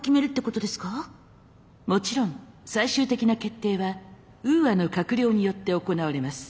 もちろん最終的な決定はウーアの閣僚によって行われます。